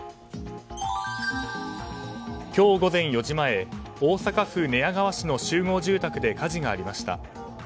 今日午前４時前大阪府寝屋川市の集合住宅で火事がありました。